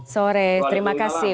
sore terima kasih